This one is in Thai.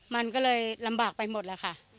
มันก็เลยลำบากไปหมดแล้วค่ะ